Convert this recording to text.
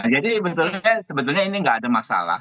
jadi sebetulnya ini enggak ada masalah